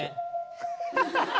ハハハハ！